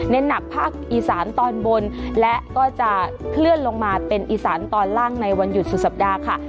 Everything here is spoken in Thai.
หนักภาคอีสานตอนบนและก็จะเคลื่อนลงมาเป็นอีสานตอนล่างในวันหยุดสุดสัปดาห์ค่ะ